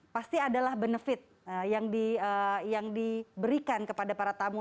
pasti adalah benefit yang diberikan kepada para tamu